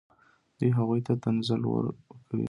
دوی هغوی ته تنزل ورکوي.